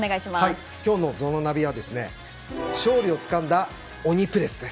今日のＺＯＮＯナビは勝利をつかんだ鬼プレスです。